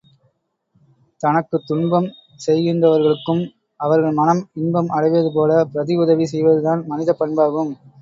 தனக்குத் துன்பம் செய்கின்றவர்களுக்கும், அவர்கள் மனம் இன்பம் அடைவது போல பிரதி உதவி செய்வதுதான் மனிதப் பண்பாகும்.